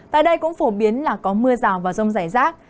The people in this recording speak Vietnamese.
tại đây cũng phổ biến là có mưa rào vào rông giải rác